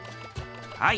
はい。